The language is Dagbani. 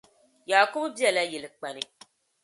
Yakubu be la yilikpani